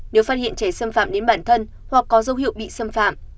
nếu phát hiện trẻ xâm phạm đến bản thân hoặc có dấu hiệu bị xâm phạm